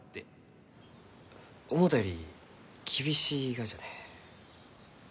思うたより厳しいがじゃねえ。